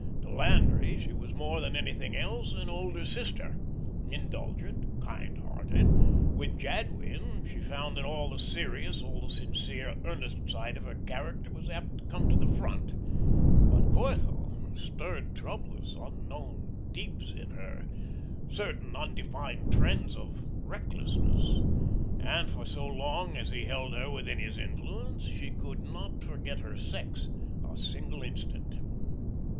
To Landry she was more than anything else, an older sister, indulgent, kind hearted. With Jadwin she found that all the serious, all the sincere, earnest side of her character was apt to come to the front. But Corthell stirred troublous, unknown deeps in her, certain undefined trends of recklessness; and for so long as he held her within his influence, she could not forget her sex a single instant.